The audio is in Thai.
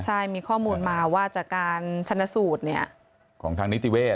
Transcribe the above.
ใช่มีข้อมูลมาว่าจากการชนะสูตรของทางนิติเวศ